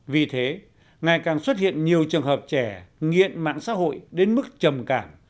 vì thế ngày càng xuất hiện nhiều trường hợp trẻ nghiện mạng xã hội đến mức trầm cảm